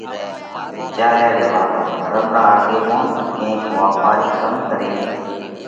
وِيچاريا ري واتون ڌرم را آڳيوونَ ڪينڪ واپارِي ڪم ڪرينَ